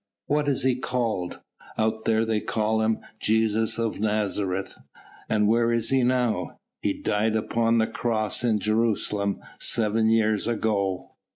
"What is he called?" "Out there they called Him Jesus of Nazareth." "And where is he now?" "He died upon the cross, in Jerusalem, seven years ago."